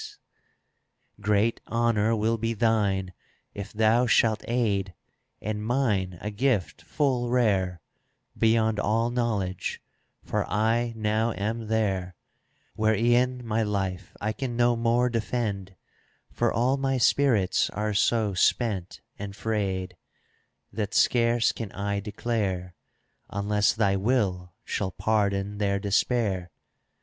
122 CANZONIERE Great honour will be thine if thou shalt aid, And mine a gift full rare, Beyond all knowledge, for I now am there, Where e'en my life I can no more defend; For all my spirits are so spent and frayed, ®* That scarce can I declare. Unless thy will shall pardon their despair.